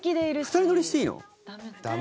２人乗りしていいの？